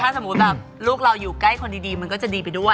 ถ้าสมมุติแบบลูกเราอยู่ใกล้คนดีมันก็จะดีไปด้วย